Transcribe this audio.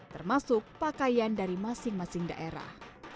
termasuk pakaian dari masing masing daerah